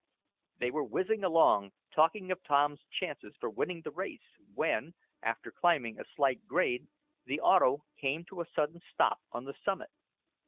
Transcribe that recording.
They were whizzing along, talking of Tom's chances for winning the race when, after climbing a slight grade, the auto came to a sudden stop on the summit.